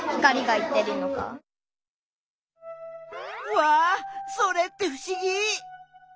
わっそれってふしぎ！